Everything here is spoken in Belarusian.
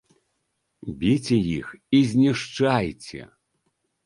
Біце іх і знішчайце!